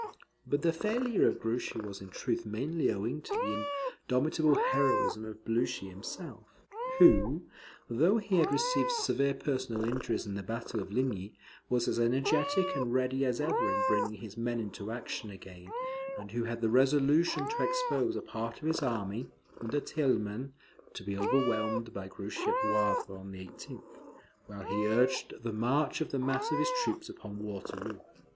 But the failure of Grouchy was in truth mainly owing to the indomitable heroism of Blucher himself; who, though he had received severe personal injuries in the battle of Ligny, was as energetic and ready as ever in bringing his men into action again, and who had the resolution to expose a part of his army, under Thielman, to be overwhelmed by Grouchy at Wavre on the 18th, while he urged the march of the mass of his troops upon Waterloo.